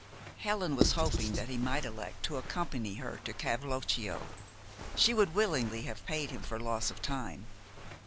Helen was hoping that he might elect to accompany her to Cavloccio. She would willingly have paid him for loss of time.